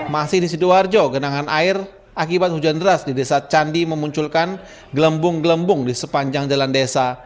masih di sidoarjo genangan air akibat hujan deras di desa candi memunculkan gelembung gelembung di sepanjang jalan desa